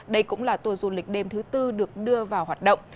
đây cũng là tour du lịch đêm thứ tư được đưa vào hoạt động